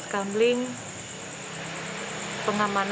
setelahthe original voix undang undang